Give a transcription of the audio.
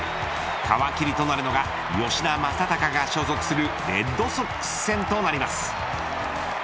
皮切りとなるのが吉田正尚が所属するレッドソックス戦となります。